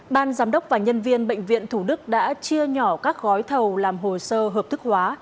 ban giám đốc và nhân viên bệnh viện thủ đức đã chia nhỏ các gói thầu làm hồ sơ hợp thức hóa